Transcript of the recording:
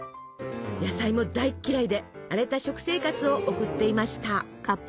野菜も大嫌いで荒れた食生活を送っていました。